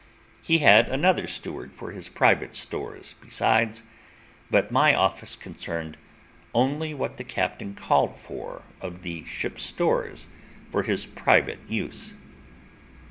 He had another steward for his private stores besides, but my office concerned only what the captain called for of the ship's stores for his private use.